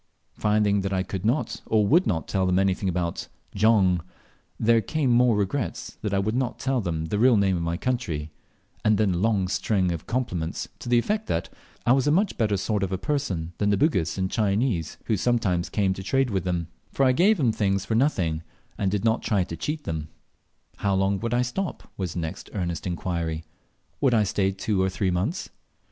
Finding that I could not or would not tell them anything about "Jong," there came more regrets that I would not tell them the real name of my country; and then a long string of compliments, to the effect that I was a much better sort of a person than the Bugis and Chinese, who sometimes came to trade with them, for I gave them things for nothing, and did not try to cheat them. How long would I stop? was the next earnest inquiry. Would I stay two or three months?